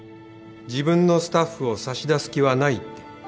自分のスタッフを差し出す気はないって。